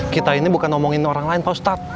kita ini bukan ngomongin orang lain pak ustadz